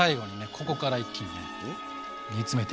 ここから一気にね煮詰めていく！